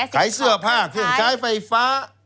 ขายเสื้อผ้าเครื่องใช้ไฟฟ้า